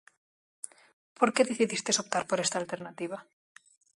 Por que decidistes optar por esta alternativa?